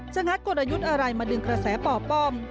งัดกลยุทธ์อะไรมาดึงกระแสป่อป้อม